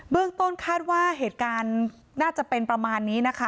เรื่องต้นคาดว่าเหตุการณ์น่าจะเป็นประมาณนี้นะคะ